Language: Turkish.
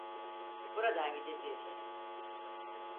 Buradan gideceğiz.